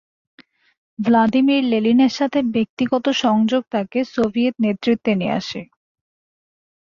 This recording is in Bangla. ভ্লাদিমির লেনিন এর সাথে ব্যক্তিগত সংযোগ তাকে সোভিয়েত নেতৃত্বে নিয়ে আসে।